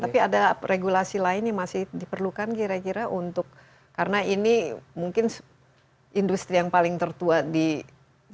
tapi ada regulasi lain yang masih diperlukan kira kira untuk karena ini mungkin industri yang paling tertua di indonesia